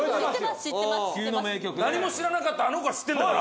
何も知らなかったあの子が知ってんだから。